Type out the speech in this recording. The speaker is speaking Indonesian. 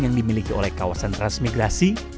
yang dimiliki oleh kawasan transmigrasi